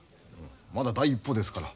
まだ第一歩ですから。